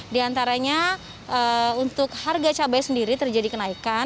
di antaranya untuk harga cabai sendiri terjadi kenaikan